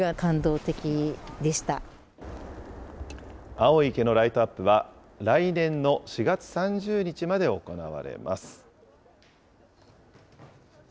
青い池のライトアップは、来年の４月３０日まで行われます。